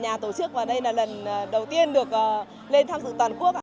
nhà tổ chức và đây là lần đầu tiên được lên tham dự toàn quốc